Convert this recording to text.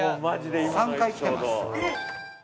３回来てます。